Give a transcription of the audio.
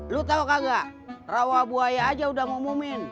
lo tau kagak rawa buaya aja udah ngumumin